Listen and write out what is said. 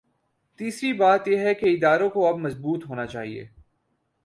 تیسری بات یہ کہ اداروں کو اب مضبوط ہو نا چاہیے۔